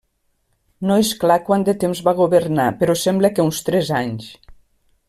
No és clar quant de temps va governar, però sembla que uns tres anys.